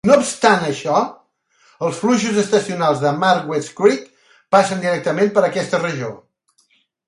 No obstant això, els fluxos estacionals de Mark West Creek passen directament per aquesta regió.